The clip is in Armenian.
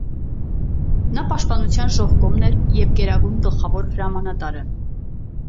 Նա պաշտպանության ժողկոմն էր և գերագույն գլխավոր հրամանատարը։